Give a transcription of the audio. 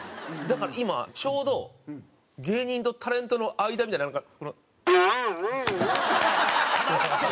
だから今ちょうど芸人とタレントの間みたいななんかこの。